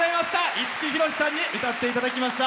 五木ひろしさんに歌っていただきました。